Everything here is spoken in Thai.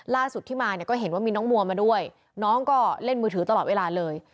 ล่าสุดที่มาเนี่ยก็เห็นว่ามีน้องมัวมาด้วยน้องก็เล่นมือถือตลอดเวลาเลย